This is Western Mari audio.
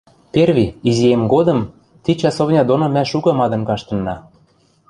Перви, изиэм годым, ти часовня доны мӓ шукы мадын каштынна.